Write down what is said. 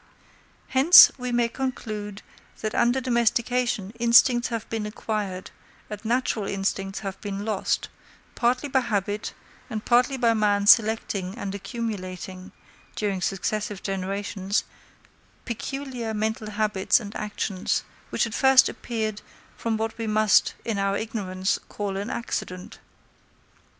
Hence, we may conclude that under domestication instincts have been acquired and natural instincts have been lost, partly by habit and partly by man selecting and accumulating, during successive generations, peculiar mental habits and actions, which at first appeared from what we must in our ignorance call an accident.